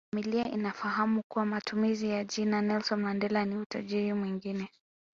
Familia inafahamu kuwa matumizi ya jina Nelson Mandela ni utajiri mwingine